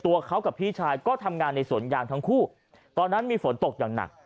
ตัวเขากับพี่ชายก็ทำงานในสวนยางทั้งคู่ตอนนั้นมีฝนตกอย่างหนัก